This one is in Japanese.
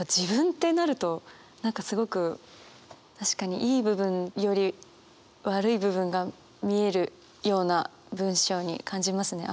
自分ってなると何かすごく確かにいい部分より悪い部分が見えるような文章に感じますね。